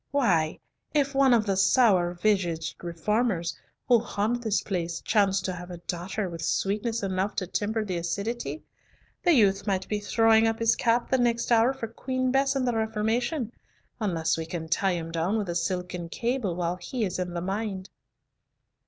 Why, if one of the sour visaged reformers who haunt this place chanced to have a daughter with sweetness enough to temper the acidity, the youth might be throwing up his cap the next hour for Queen Bess and the Reformation, unless we can tie him down with a silken cable while he is in the mind."